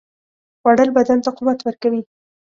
خوړل بدن ته قوت ورکوي